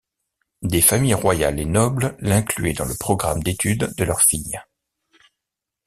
Des familles royales et nobles l'incluait dans le programme d'études de leurs filles.